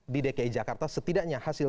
di dki jakarta setidaknya hasil